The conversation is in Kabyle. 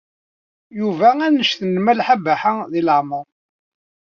Yuba anect n Malḥa Baḥa deg leɛmeṛ.